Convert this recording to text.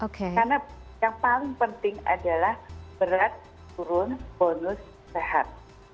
karena yang paling penting adalah berat turun bonus sehat